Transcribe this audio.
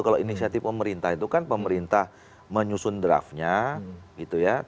kalau inisiatif pemerintah itu kan pemerintah menyusun draftnya gitu ya